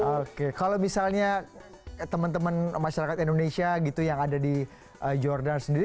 oke kalau misalnya teman teman masyarakat indonesia gitu yang ada di jordan sendiri